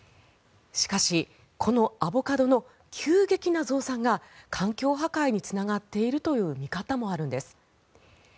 しかしこのアボカドの急激な増産が環境破壊につながっているという見方もあるんです。